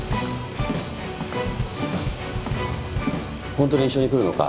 ほんとに一緒に来るのか？